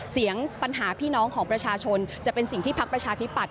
เสียงปัญหาพี่น้องของประชาชนจะเป็นสิ่งที่พักประชาธิปัต